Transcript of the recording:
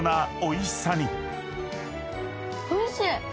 おいしい！